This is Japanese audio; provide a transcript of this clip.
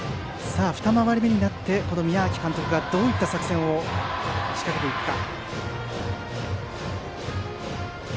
二回り目になって宮秋監督がどういった作戦を仕掛けていくか。